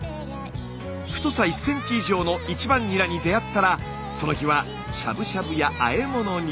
太さ１ｃｍ以上の１番ニラに出会ったらその日はしゃぶしゃぶやあえ物に。